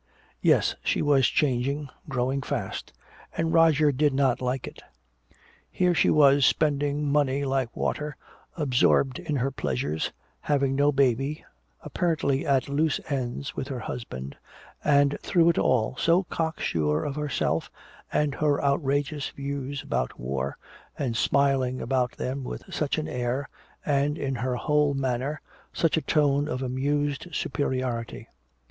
Yes, she was changing, growing fast. And Roger did not like it. Here she was spending money like water, absorbed in her pleasures, having no baby, apparently at loose ends with her husband, and through it all so cocksure of herself and her outrageous views about war, and smiling about them with such an air, and in her whole manner, such a tone of amused superiority.